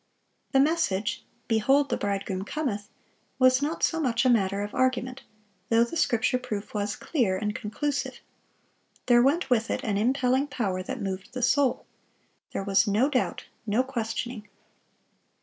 The message, "Behold, the Bridegroom cometh!" was not so much a matter of argument, though the Scripture proof was clear and conclusive. There went with it an impelling power that moved the soul. There was no doubt, no questioning.